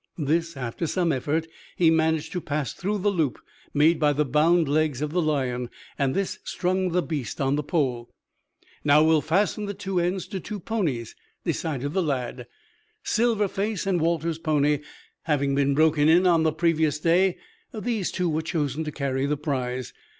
This, after some effort, he managed to pass through the loop made by the bound legs of the lion. This strung the beast on the pole. "Now, we'll fasten the two ends to two ponies," decided the lad. Silver Face and Walter's pony having been broken in on the previous day, these two were chosen to carry the prize.